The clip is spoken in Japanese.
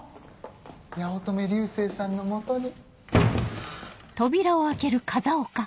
八乙女流星さんの元に。